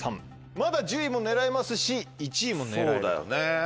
まだ１０位も狙えますし１位も狙えると。